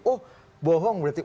oh bohong berarti